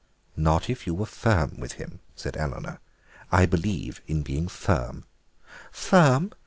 "Not if you were firm with him," said Eleanor "I believe in being firm." "Firm?